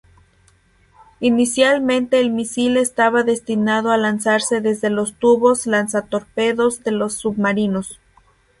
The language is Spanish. Inicialmente el misil estaba destinado a lanzarse desde los tubos lanzatorpedos de los submarinos.